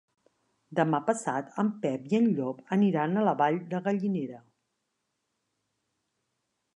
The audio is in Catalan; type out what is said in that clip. Demà passat en Pep i en Llop aniran a la Vall de Gallinera.